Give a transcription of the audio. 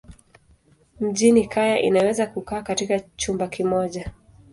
Mjini kaya inaweza kukaa katika chumba kimoja.